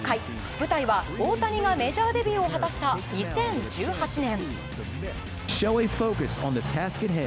舞台は大谷がメジャーデビューを果たした２０１８年。